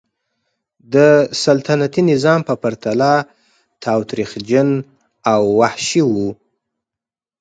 د سلطنتي نظام په پرتله تاوتریخجن او وحشي و.